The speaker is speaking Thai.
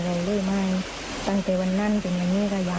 ก็อยากให้ตำรวจช่วยเหลือ